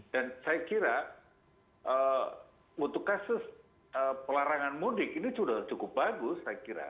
dan saya kira untuk kasus pelarangan mudik ini sudah cukup bagus saya kira